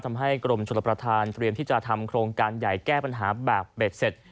ทำให้กรมชลประธานเตรียมที่จะทำโครงการใหญ่แก้ปัญหาแบบเบ็ดเสร็จ